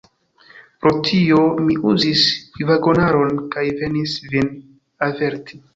Pro tio mi uzis vagonaron, kaj venis vin averti.